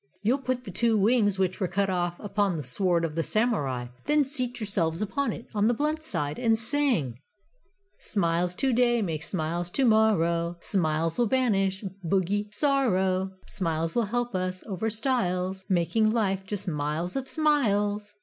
"You'll put the two wings which were cut off upon the sword of the Samurai, then seat yourselves upon it on the blunt side and sing: "Smiles to day Make smiles to morrow; Smiles will banish Bogey Sorrow. Smiles will help us Over stiles, Making life Just miles of Smiles!